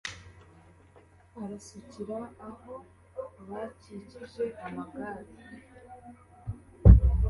arasukira aho bakikije amagare